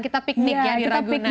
kita piknik ya di ragunan